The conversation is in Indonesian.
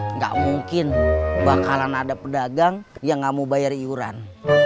enggak mungkin bakalan ada pedagang yang enggak mau bayar yoran